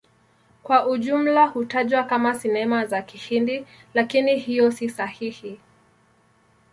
Kwa ujumla hutajwa kama Sinema za Kihindi, lakini hiyo si sahihi.